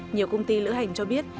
nhiều công ty lữ hành cho biết